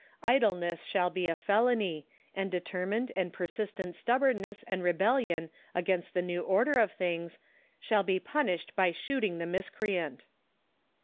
Idleness shall be a felony, and determined and persistent stubbornness and rebellion against the new order of things shall be pun ished by shooting the miscreant.